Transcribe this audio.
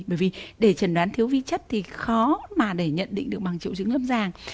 bởi vì để chẩn đoán thiếu vi chất thì khó mà để nhận định được bằng triệu chứng lâm sàng